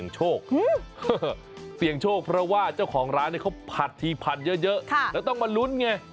เสี่ยงโชคเพราะว่าเจ้าของร้านเขาผัดทีผัดเยอะแล้วต้องมาลุ้นไง